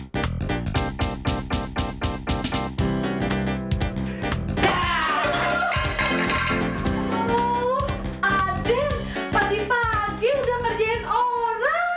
pagi pagi sudah ngerjain orang